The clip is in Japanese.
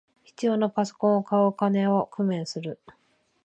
必要なパソコンを買う金を工面する